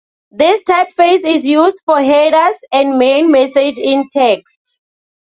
This typeface is used for headers and main messages in text.